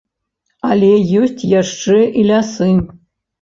А ёсць яшчэ і лясы.